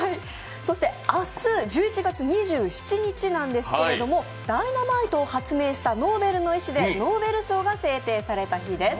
そして明日１１月２７日なんですけれども、ダイナマイトを発明したノーベルの遺志でノーベル賞が制定された日です。